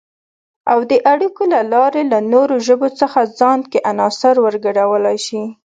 او د اړیکو له لارې له نورو ژبو څخه ځان کې عناصر ورګډولای شي